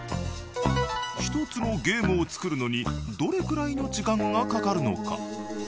１つのゲームを作るのにどれくらいの時間がかかるのか？